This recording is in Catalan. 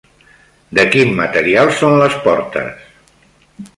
De quin material són les portes?